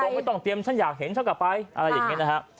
ไม่ต้องเตรียมฉันอยากเห็นฉันกลับไปอะไรอย่างนี้นะฮะ